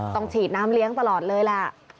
ต้องฉีดน้ำเลี้ยงตลอดเลยล่ะ